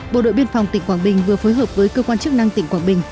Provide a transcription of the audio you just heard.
bộ đội biên phòng tỉnh quảng bình vừa phối hợp với cơ quan chức năng tỉnh quảng bình